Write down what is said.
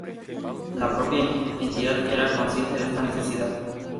La propia entidad era consciente de esta necesidad.